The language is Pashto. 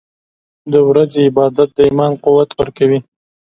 • د ورځې عبادت د ایمان قوت ورکوي.